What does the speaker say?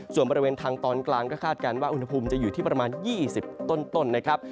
ส่วนบริเวณทางตอนกลางก็คาดการณ์ว่าอุณหภูมิจะอยู่ที่ประมาณ๒๐ต้นนะครับ